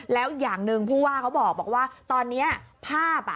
แล้วอย่างหนึ่งผู้ว่าเขาบอกว่าตอนนี้ภาพ